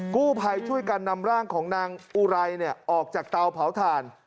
กู้ภัยช่วยกันนำร่างของนางอุไรออกจากเตาเผาถ่าน